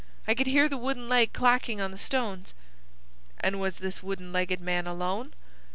I could hear the wooden leg clackin' on the stones." "And was this wooden legged man alone?"